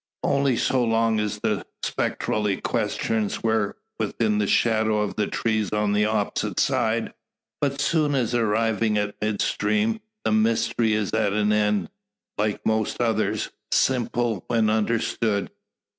Only so long as the spectral equestrians were within the shadow of the trees on the opposite side. But soon as arriving at mid stream the mystery is at an end; like most others, simple when understood.